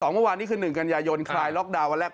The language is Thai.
เมื่อวานนี้คือ๑กันยายนคลายล็อกดาวน์วันแรก